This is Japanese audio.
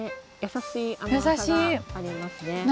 優しい甘さがありますね。